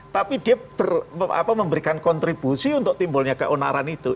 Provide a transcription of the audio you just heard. tapi dia memberikan kontribusi untuk timbulnya keonaran itu